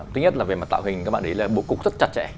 thứ nhất là về mặt tạo hình các bạn để ý là bố cục rất chặt chẽ